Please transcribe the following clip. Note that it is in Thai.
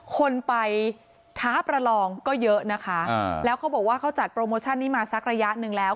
คนไปท้าประลองก็เยอะนะคะแล้วเขาบอกว่าเขาจัดโปรโมชั่นนี้มาสักระยะหนึ่งแล้ว